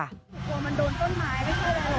กลัวมันโดนต้นไม้ไม่ใช่แหละ